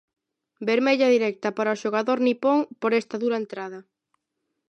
Vermella directa para o xogador nipón por esta dura entrada.